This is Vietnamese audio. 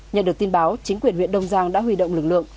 nhận được tin báo chính quyền huyện đông giang đã huy động lực lượng